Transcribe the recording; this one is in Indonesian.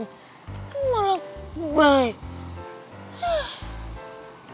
gue malah baik